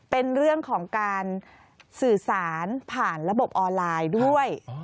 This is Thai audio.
เป็นเรื่องของการสื่อสารผ่านระบบออนไลน์ด้วย